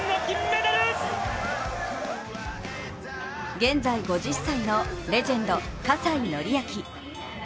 現在５０歳のレジェンド、葛西紀明。